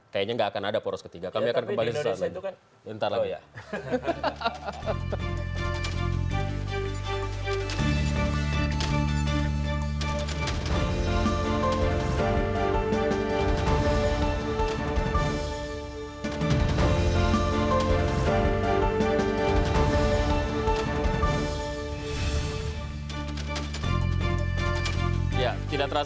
kayaknya tidak akan ada poros ketiga